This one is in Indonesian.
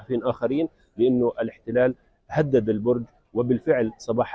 pada pagi hari ini kita juga menemukan bahwa daerah ini berubah